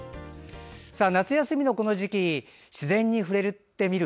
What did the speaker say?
夏休みのこの時期自然に触れてみる。